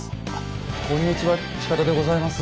こんにちは近田でございます。